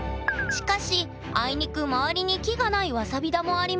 しかしあいにく周りに木がないわさび田もあります。